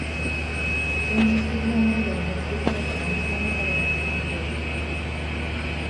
現実的なもので埋めつくされた団地の中での空白